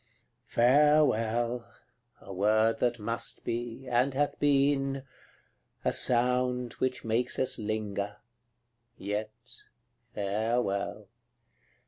CLXXXVI. Farewell! a word that must be, and hath been A sound which makes us linger; yet, farewell!